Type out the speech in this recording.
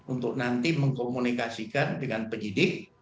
untuk nanti mengkomunikasikan dengan penyidik